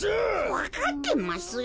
わかってますよ。